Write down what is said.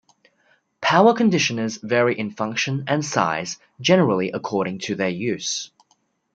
Power conditioners vary in function and size, generally according to their use.